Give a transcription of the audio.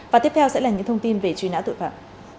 và tiếp theo sẽ là những thông tin về truy nã tội phạm